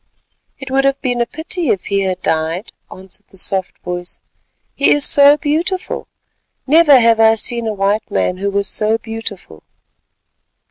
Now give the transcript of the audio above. "It would have been a pity if he had died," answered the soft voice, "he is so beautiful; never have I seen a white man who was so beautiful."